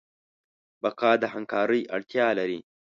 بقا د همکارۍ اړتیا لري.